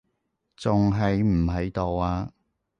仲喺唔喺度啊？